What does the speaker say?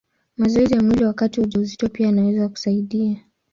Mazoezi ya mwili wakati wa ujauzito pia yanaweza kusaidia.